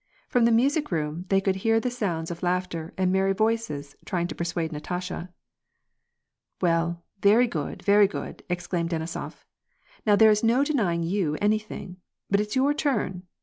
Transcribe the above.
From the music room they could hear the sounds of laoghter, and merry voices trying to persuade Natasha. " Well, very good, very good," exclaimed Denisof ." Now there^s no denying you anything ; but it's your turn